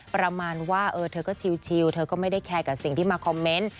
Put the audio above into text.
ประมาณว่าเธอก็ชิวเธอก็ไม่ได้แคร์กับสิ่งที่มาคอมเมนต์